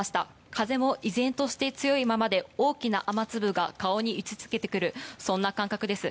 風も依然として強いままで大きな雨粒が顔に打ち付けてくるそんな感覚です。